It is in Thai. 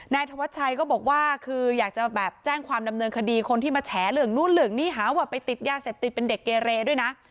ธวัชชัยก็บอกว่าคืออยากจะแบบแจ้งความดำเนินคดีคนที่มาแฉเรื่องนู้นเรื่องนี้หาว่าไปติดยาเสพติดเป็นเด็กเกเรด้วยนะ